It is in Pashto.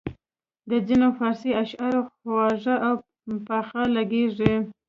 د ځینو فارسي اشعار خواږه او پاخه لګیږي.